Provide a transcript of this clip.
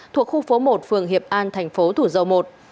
thuộc khu phố một phường hiệp an thành phố thủ dầu một